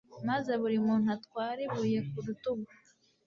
maze buri muntu atware ibuye ku rutugu